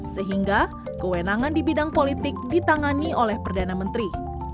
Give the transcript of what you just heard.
sehingga kewenangan di bidang politik ditangani oleh perdana menteri